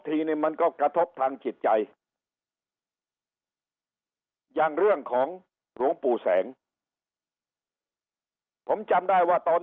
ทีนี้มันก็กระทบทางจิตใจอย่างเรื่องของหลวงปู่แสงผมจำได้ว่าตอน